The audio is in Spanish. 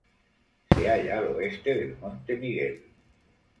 Se halla al oeste del monte Miguel.